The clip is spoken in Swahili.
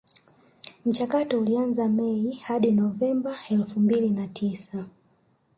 Mchakato ulianza Mei hadi Novemba elfu mbili na tisa